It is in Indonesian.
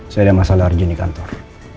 saya ada masalah argen di kantor